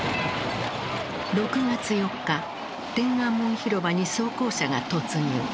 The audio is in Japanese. ６月４日天安門広場に装甲車が突入。